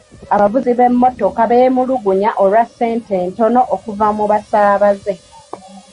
Abavuzi b'emmotoka beemulugunya olwa ssente entono okuva mu basaabaze.